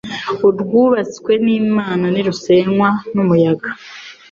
Urwubatswe n'IMANA ntirusenywa n' umuyaga